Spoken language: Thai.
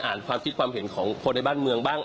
ความคิดความเห็นของคนในบ้านเมืองบ้าง